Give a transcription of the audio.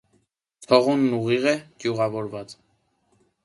Ցողունն ուղիղ է, չճյուղավորված։